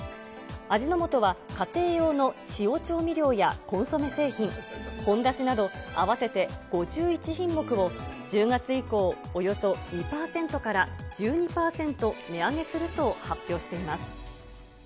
味の素は、家庭用の塩調味料やコンソメ製品、ほんだしなど合わせて５１品目を、１０月以降、およそ２％から１２％値上げすると発表しています。